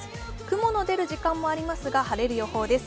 雲の出る時間もありますが、晴れる予報です。